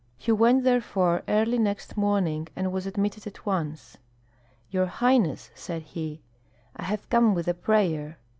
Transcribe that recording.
He went therefore early next morning, and was admitted at once. "Your highness," said he "I have come with a prayer."